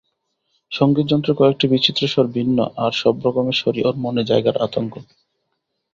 সংগীত যন্ত্রের কয়েকটি বিচিত্র স্বর ভিন্ন আর সবরকমের স্বরই ওর মনে জাগায় আতঙ্ক।